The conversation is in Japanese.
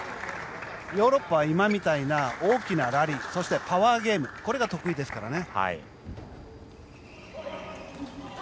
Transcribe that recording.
ヨーロッパは大きなラリーそしてパワーゲームが得意ですからね。